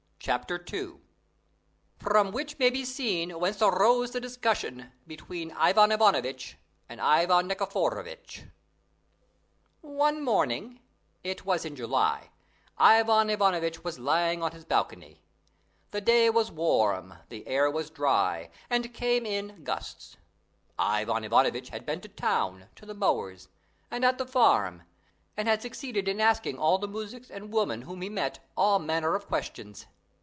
CHAPTER II FROM WHICH MAY BE SEEN WHENCE AROSE THE DISCUSSION BETWEEN IVAN IVANOVITCH AND IVAN NIKIFOROVITCH One morning it was in July Ivan Ivanovitch was lying on his balcony. The day was warm; the air was dry, and came in gusts. Ivan Ivanovitch had been to town, to the mower's, and at the farm, and had succeeded in asking all the muzhiks and women whom he met all manner of questions.